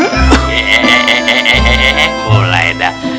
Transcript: hehehe boleh dah